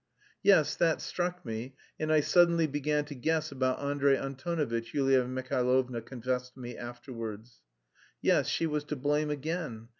"Yes, that struck me, and I suddenly began to guess about Andrey Antonovitch," Yulia Mihailovna confessed to me afterwards. Yes, she was to blame again!